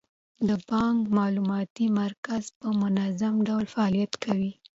د بانک معلوماتي مرکز په منظم ډول فعالیت کوي.